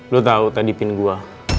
lo tau tadi pin gue